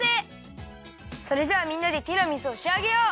それじゃあみんなでティラミスをしあげよう！